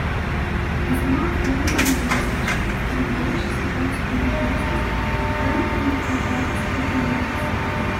As a non-partisan organization, the Grange supports only policies, never political parties or candidates.